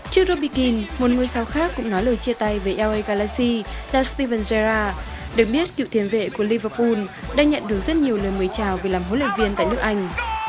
trước robby keane một người sao khác cũng nói lời chia tay với la galaxy là steven gerrard được biết cựu tiền vệ của liverpool đã nhận được rất nhiều lời mời chào vì làm huấn luyện viên tại nước anh